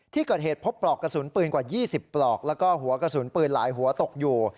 ที่เกิดเหตุพบปลอกกระสุนปืนกว่า๒๐ปลอกแล้วก็หัวกระสุนปืนหลายหัวตกอยู่